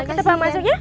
kita pang masuk ya